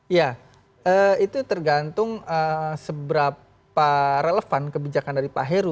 ya itu tergantung seberapa relevan kebijakan dari pak heru